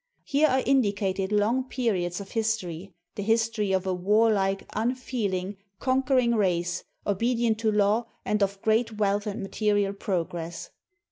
Here are indicated long periods of history, the history of a warlike, unfeeling, conquering race, obedient to law, and of great wealth and material progress.